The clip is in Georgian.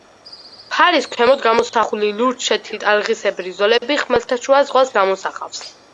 ფარის ქვემოთ გამოსახული ლურჯ-თეთრი ტალღისებრი ზოლები ხმელთაშუა ზღვას გამოსახავს.